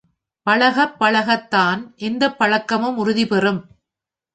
பழகப் பழகத்தான் எந்தப் பழக்கமும் உறுதிபெறும்.